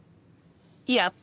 やった！